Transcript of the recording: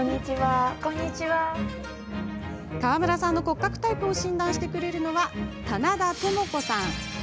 川村さんの骨格タイプを診断してくれるのは棚田トモコさん。